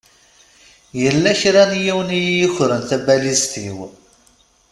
Yella kra n yiwen i yukren tabalizt-iw.